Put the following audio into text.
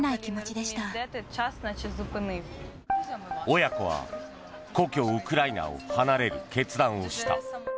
親子は故郷ウクライナを離れる決断をした。